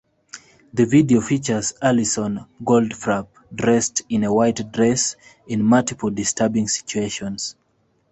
The video features Alison Goldfrapp, dressed in a white dress, in multiple disturbing situations.